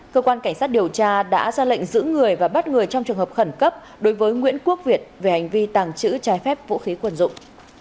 cơ quan cảnh sát điều tra đã ra lệnh giữ người và bắt người trong trường hợp khẩn cấp đối với nguyễn quốc việt về hành vi tàng trữ trái phép vũ khí quần dụng